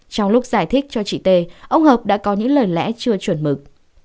trong lúc giải thích cho chị t ông hợp đã có những lời lẽ chưa chuẩn mực